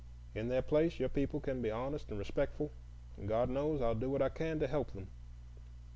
In their place, your people can be honest and respectful; and God knows, I'll do what I can to help them.